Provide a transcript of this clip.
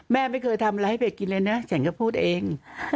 แม่ไม่เคยทำอะไรให้เด็กกินเลยนะฉันก็พูดเอง